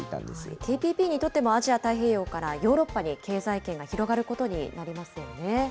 ＴＰＰにとってもアジア太平洋からヨーロッパに経済圏が広がることになりますよね。